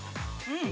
うん？